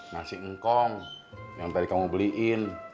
nasi engkong yang tadi kamu beliin